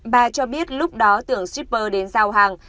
bà cho biết lúc đó tưởng shipper đến giao hàng